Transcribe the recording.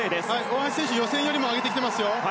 大橋選手予選よりも上げてきてますよ。